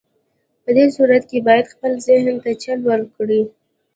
په دې صورت کې بايد خپل ذهن ته چل ورکړئ.